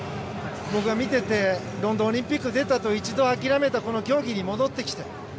僕が見ててロンドンオリンピック出たあと一度諦めたこの競技に戻ってきて。